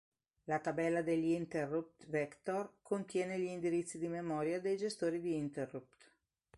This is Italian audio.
La tabella degli interrupt vector contiene gli indirizzi di memoria dei gestori di interrupt.